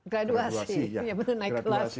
graduasi ya betul naik kelas